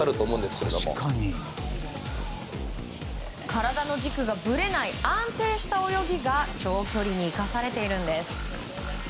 体の軸がぶれない安定した泳ぎが長距離に生かされているんです。